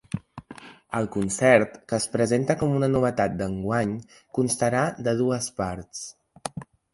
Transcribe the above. El concert, que es presenta com una novetat d’enguany, constarà de dues parts.